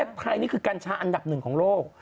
ไทยนี่คือกัญชาอันดับหนึ่งของโลก